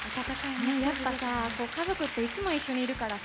やっぱさ家族っていつも一緒にいるからさ